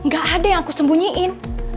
gak ada yang aku sembunyiin